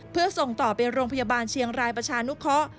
เพื่อส่งต่อไปโรงพยาบาลเชียงรายประชานุเคาะ